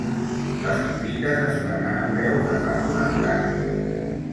Les collites es paguen a preus de fa quaranta anys.